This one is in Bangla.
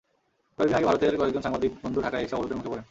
কয়েক দিন আগে ভারতের কয়েকজন সাংবাদিক বন্ধু ঢাকায় এসে অবরোধের মুখে পড়েন।